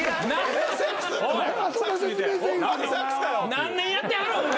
何年やってはる思うて。